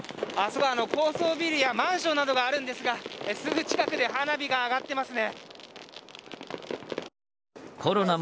高層ビルやマンションなどがあるんですがすぐ近くで花火が上がっていますね。